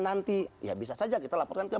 nanti ya bisa saja kita laporkan ke